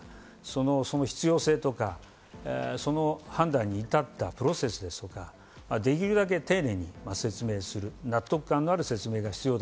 その必要性とか、その判断に至ったプロセスですとか、できるだけ丁寧に説明する、納得感のある説明が必要だ。